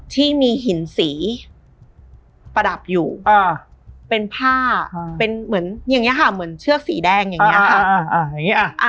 ที่มีหินสีประดับอยู่เป็นผ้าเป็นเหมือนอย่างนี้ค่ะเหมือนเชือกสีแดงอย่างนี้ค่ะ